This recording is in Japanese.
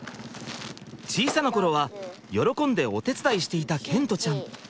小さな頃は喜んでお手伝いしていた賢澄ちゃん。